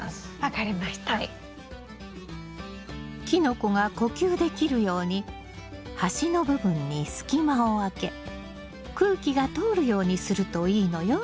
キノコが呼吸できるように端の部分に隙間をあけ空気が通るようにするといいのよ。